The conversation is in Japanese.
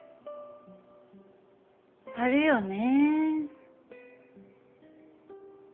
あるよね。